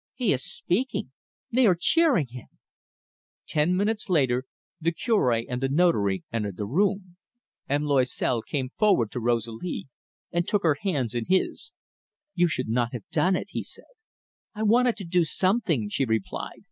"He is speaking. They are cheering him." Ten minutes later, the Cure and the Notary entered the room. M. Loisel came forward to Rosalie, and took her hands in his. "You should not have done it," he said. "I wanted to do something," she replied.